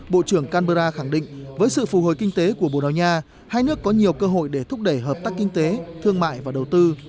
bộ trưởng canberra khẳng định với sự phù hồi kinh tế của bồ đào nha hai nước có nhiều cơ hội để thúc đẩy hợp tác kinh tế thương mại và đầu tư